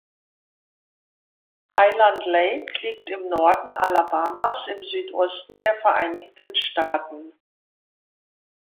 Highland Lake liegt im Norden Alabamas im Südosten der Vereinigten Staaten.